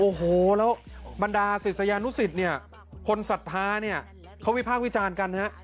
โอ้โฮแล้วบรรดาศิษยานุศิษย์คนศรัทธาเขาวิภาควิจารณ์กัน